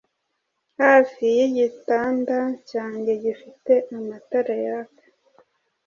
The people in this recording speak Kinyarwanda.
Hafi yigitanda cyanjye gifite amatara yaka.